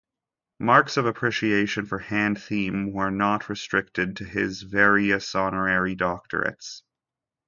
Marks of appreciation for Hand Thieme were not restricted to his various honorary doctorates.